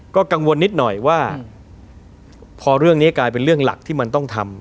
ก็กังวลนิดหน่อยว่าพอเรื่องนี้กลายเป็นเรื่องหลักที่มันต้องทำ